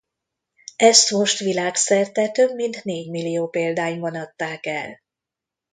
Ezt most világszerte több mint négymillió példányban adták el.